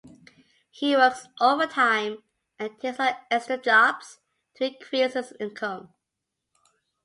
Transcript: He works overtime and takes on extra jobs to increase his income.